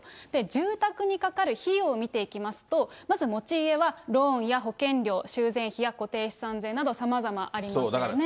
住宅にかかる費用を見ていきますと、まず持ち家はローンや保険料、修繕費や固定資産税など、さまざまありますよね。